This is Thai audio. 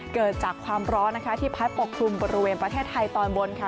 เกิดจากความร้อนนะคะที่พัดปกคลุมบริเวณประเทศไทยตอนบนค่ะ